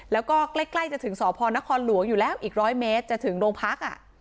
แล้วก็ใกล้จะถึงสพนครหลวงอยู่แล้วอีก๑๐๐เมตรจะถึงโรงพัก